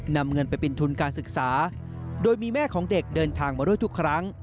นำเงินไปเป็นทุนการศึกษาโดยมีแม่ของเด็กเดินทางมาด้วยทุกครั้ง